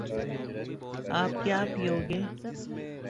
آپ کیا پیو گے